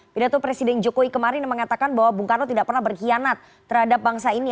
pidato presiden jokowi kemarin yang mengatakan bahwa bung karno tidak pernah berkhianat terhadap bangsa ini